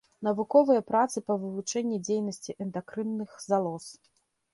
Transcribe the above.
Навуковыя працы па вывучэнні дзейнасці эндакрынных залоз.